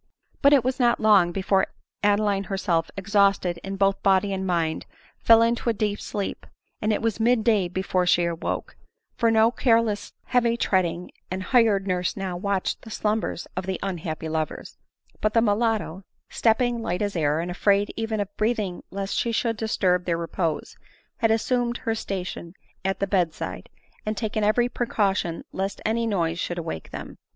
But it was not long before Adeline herself, exhausted both in body and mind, fell into a deep sleep; and it was mid day before she awoke ; for no careless, heavy tread ing, and hired nurse now watched the slumbers of the unhappy lovers ; but the mulatto, stepping light as air, and afraid even of breathing lest she would disturb their repose, had assumed her station at the bed side, and taken every precaution lest any noise should awake them.